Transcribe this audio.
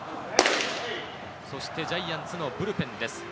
そしてジャイアンツのブルペンです。